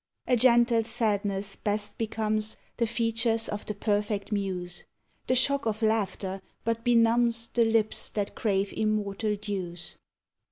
A gentle sadness best becomes The features of the perfect Muse: The shock of laughter but benumbs The lips that crave immortal dews.